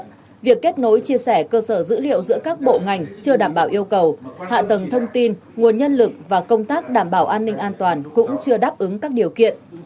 vì vậy việc kết nối chia sẻ cơ sở dữ liệu giữa các bộ ngành chưa đảm bảo yêu cầu hạ tầng thông tin nguồn nhân lực và công tác đảm bảo an ninh an toàn cũng chưa đáp ứng các điều kiện